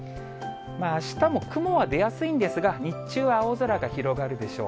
あしたも雲は出やすいんですが、日中は青空が広がるでしょう。